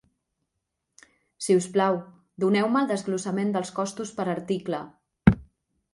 Si us plau, doneu-me el desglossament dels costos per article.